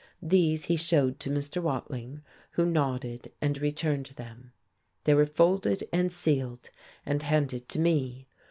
These he showed to Mr. Watling, who nodded and returned them. They were folded and sealed, and handed to me.